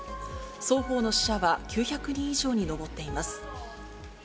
双方の死者は９００人以上に上っています。